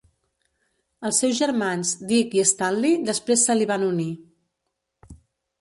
Els seus germans, Dick i Stanley, després se li van unir.